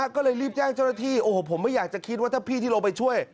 ก็เลยรีบแจ้งเจ้าหน้าที่โอ้โหผมไม่อยากจะคิดว่าถ้าพี่ที่ลงไปช่วย